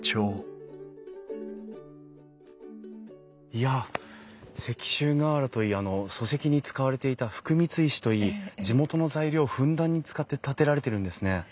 いや石州瓦といい礎石に使われていた福光石といい地元の材料をふんだんに使って建てられてるんですね。